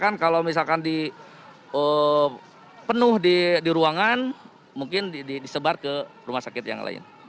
kalau tidak ada misalkan di penuh di ruangan mungkin disebar ke rumah sakit yang lain